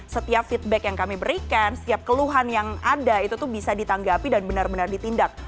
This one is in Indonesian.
setiap feedback yang kami berikan setiap keluhan yang ada itu tuh bisa ditanggapi dan benar benar ditindak